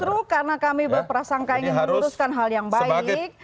justru karena kami berperasangka ingin menguruskan hal yang baik